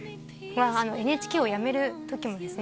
ＮＨＫを辞める時もですね